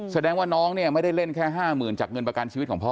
แสดงว่าน้องเนี่ยไม่ได้เล่นแค่๕๐๐๐จากเงินประกันชีวิตของพ่อ